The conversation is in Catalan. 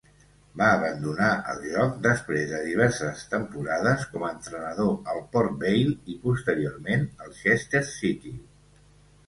Va abandonar el joc després de diverses temporades com a entrenador al Port Vale i posteriorment al Chester City.